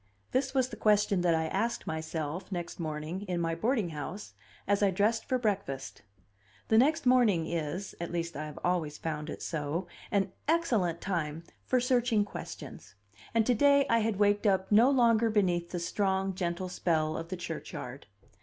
This was the question that I asked myself, next morning, in my boarding house, as I dressed for breakfast; the next morning is at least I have always found it so an excellent time for searching questions; and to day I had waked up no longer beneath the strong, gentle spell of the churchyard.